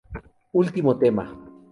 Ultimo tema.